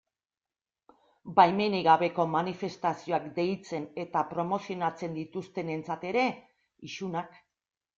Baimenik gabeko manifestazioak deitzen eta promozionatzen dituztenentzat ere, isunak.